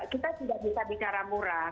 kita tidak bisa bicara murah